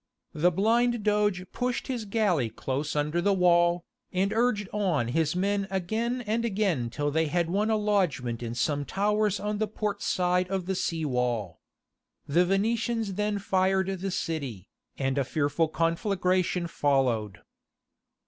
The blind Doge pushed his galley close under the wall, and urged on his men again and again till they had won a lodgment in some towers on the port side of the sea wall. The Venetians then fired the city, and a fearful conflagration followed.